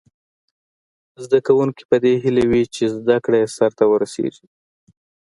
زده کوونکي په دې هیله وي چې زده کړه یې سرته ورسیږي.